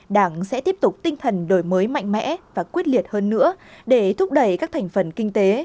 đảng sẽ tiếp tục tinh thần đổi mới mạnh mẽ và quyết liệt hơn nữa để thúc đẩy các thành phần kinh tế